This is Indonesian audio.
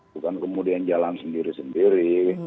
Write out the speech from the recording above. bukan kemudian jalan sendiri sendiri